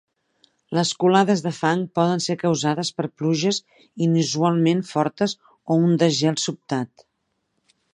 Les colades de fang poden ser causades per pluges inusualment fortes o un desgel sobtat.